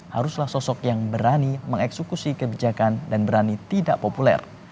haruslah sosok yang berani mengeksekusi kebijakan dan berani tidak populer